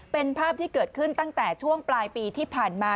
เป็นภาพที่เกิดขึ้นตั้งแต่ช่วงปลายปีที่ผ่านมา